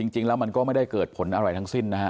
จริงแล้วมันก็ไม่ได้เกิดผลอะไรทั้งสิ้นนะฮะ